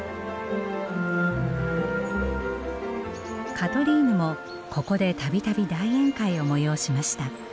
カトリーヌもここで度々大宴会を催しました。